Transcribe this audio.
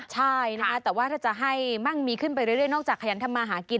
ใช่นะคะแต่ว่าถ้าจะให้มั่งมีขึ้นไปเรื่อยนอกจากขยันทำมาหากิน